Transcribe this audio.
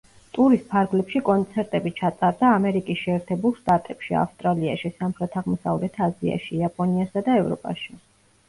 ტურის ფარგლებში კონცერტები ჩატარდა ამერიკის შეერთებულ შტატებში, ავსტრალიაში, სამხრეთ-აღმოსავლეთ აზიაში, იაპონიასა და ევროპაში.